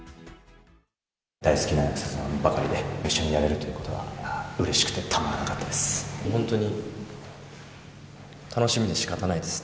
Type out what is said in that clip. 大好きな役者さんばかりで、一緒にやれるということは、うれしくてたまらなかったです。